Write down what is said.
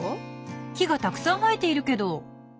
木がたくさん生えているけど。